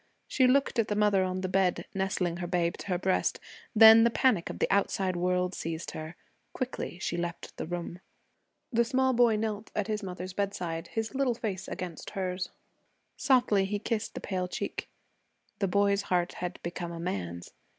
She looked at the mother on the bed, nestling her babe to her breast; then the panic of the outside world seized her. Quickly she left the room. The small boy knelt at his mother's bedside, his little face against hers. Softly he kissed the pale cheek. The boy's heart had become a man's.